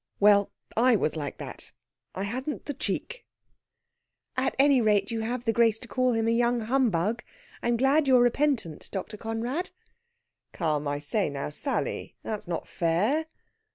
Well, I was like that. I hadn't the cheek." "At any rate, you have the grace to call him a young humbug. I'm glad you're repentant, Dr. Conrad." "Come I say, now Sally! That's not fair."